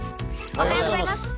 おはようございます。